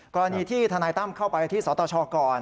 กรณีที่ทนายตั้มเข้าไปที่สตชก่อน